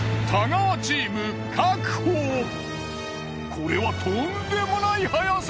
これはとんでもない早さ。